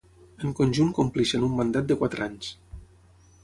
En conjunt compleixen un mandat de quatre anys.